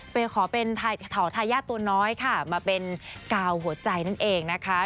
ขอเป็นเถาทายาทตัวน้อยค่ะมาเป็นกาวหัวใจนั่นเองนะคะ